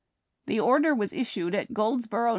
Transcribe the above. The order was issued at Goldsboro, N.